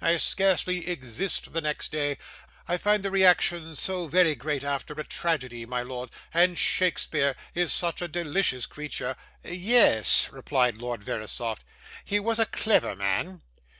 'I scarcely exist the next day; I find the reaction so very great after a tragedy, my lord, and Shakespeare is such a delicious creature.' 'Ye es!' replied Lord Verisopht. 'He was a clayver man.